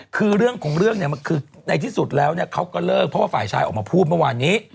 คือเรื่องของเรื่องเนี่ยคือในที่สุดแล้วเนี่ยเขาก็เลิกเพราะว่าฝ่ายชายออกมาพูดเมื่อวานนี้